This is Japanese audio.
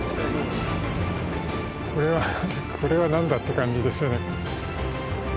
これはこれは何だって感じですよね。